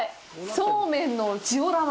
そうめんのジオラマ！